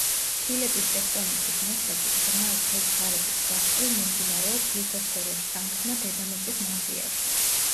ფილების ტექტონიკის მიხედვით ღრმა ზღვის ღარების გასწვრივ მიმდინარეობს ლითოსფეროს შთანთქმა დედამიწის მანტიაში.